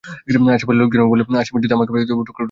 আশপাশের লোকজনও বলে, আসামি যদি আমাকে পায় টুকরা টুকরা করে ফেলবে।